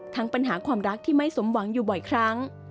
ปัญหาความรักที่ไม่สมหวังอยู่บ่อยครั้ง